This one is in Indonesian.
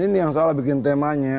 ini yang salah bikin temanya